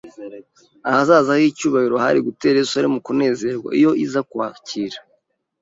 Ahazaza h'icyubahiro hari gutera Yerusalemu kunezerwa iyo iza kwakira